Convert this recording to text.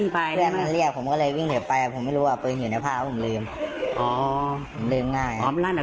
ปืนในผ้าเพราะมันลืมลื่นง่าย